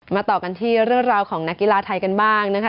ต่อกันที่เรื่องราวของนักกีฬาไทยกันบ้างนะคะ